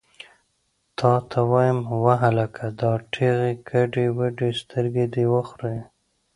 تا ته وایم، وهلکه! دا ټېغې ګډې وډې سترګې دې وخورې!